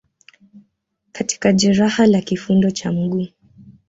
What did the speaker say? katika jeraha la kifundo cha mguu